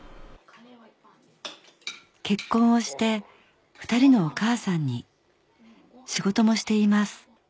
結婚をして２人のお母さんに仕事もしています